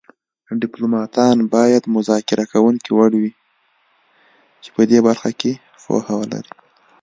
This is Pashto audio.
ډیپلوماتان باید مذاکره کوونکي وړ وي چې په دې برخه کې پوهه ولري